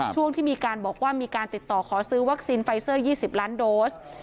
ช่วงที่มีการบอกว่ามีการติดต่อขอซื้อวัคซีนไฟเซอร์๒๐ล้านโดส